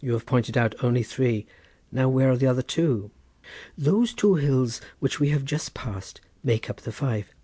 You have pointed out only three—now, where are the other two?" "Those two hills which we have just passed make up the five.